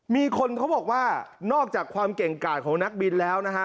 มีคนเขาบอกว่านอกจากความเก่งกาดของนักบินแล้วนะฮะ